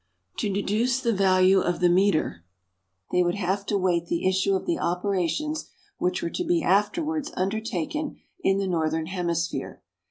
229 To deduce the value of the metre, they would have to wait the issue of the operations which were to be afterwards undertaken in the northern hemisphere.